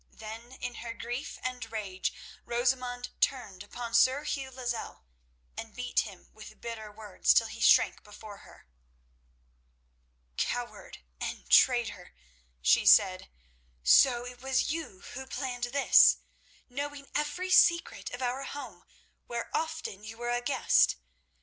Then in her grief and rage Rosamund turned upon Sir Hugh Lozelle and beat him with bitter words till he shrank before her. "Coward and traitor!" she said. "So it was you who planned this, knowing every secret of our home, where often you were a guest!